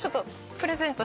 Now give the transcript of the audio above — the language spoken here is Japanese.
プレゼント。